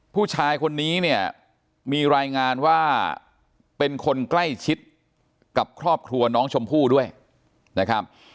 ผู้ชายคนนี้เนี่ยมีรายงานว่าเป็นคนใกล้ชิดกับครอบครัวน้องชมพู่ด้วยนะครับ